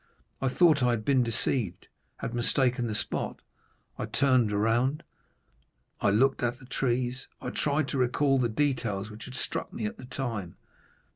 I thought I had been deceived—had mistaken the spot. I turned around, I looked at the trees, I tried to recall the details which had struck me at the time.